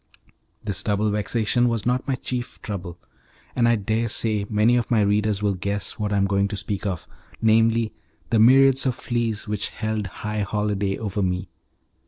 This double vexation was not my chief trouble, and I daresay many of my readers will guess what I am going to speak of namely, the myriads of fleas which held high holiday over me.